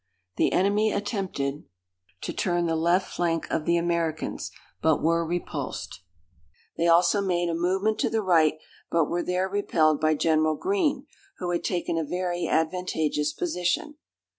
The enemy attempted to turn the left flank of the Americans, but were repulsed. They also made a movement to the right, but were there repelled by General Greene, who had taken a very advantageous position.